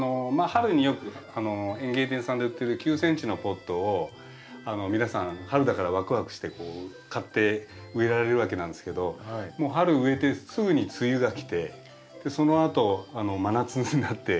春によく園芸店さんで売ってる９ｃｍのポットを皆さん春だからワクワクしてこう買って植えられるわけなんですけどもう春植えてすぐに梅雨がきてそのあと真夏になって。